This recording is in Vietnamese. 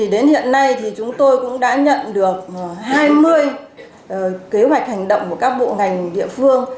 đến hiện nay chúng tôi cũng đã nhận được hai mươi kế hoạch hành động của các bộ ngành địa phương